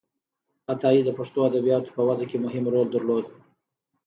عطایي د پښتو ادبياتو په وده کې مهم رول درلود.